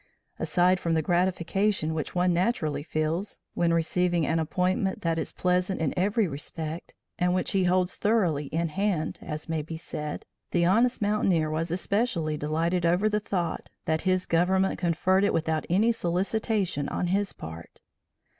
Aside from the gratification which one naturally feels, when receiving an appointment that is pleasant in every respect, and which he holds thoroughly "in hand," as may be said, the honest mountaineer was especially delighted over the thought that his government conferred it without any solicitation on his part.